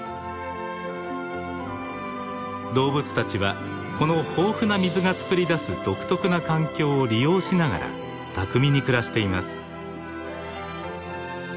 動物たちはこの豊富な水がつくり出す独特な環境を利用しながら巧みに暮らしています。